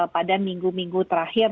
pada minggu minggu terakhir